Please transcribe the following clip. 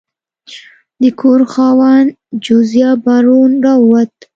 د کور خاوند جوزیا براون راووت.